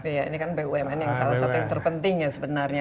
iya ini kan bumn yang salah satu yang terpenting ya sebenarnya